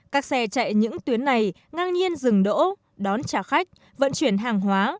các xe chạy những tuyến này ngang nhiên dừng đỗ đón trả khách vận chuyển hàng hóa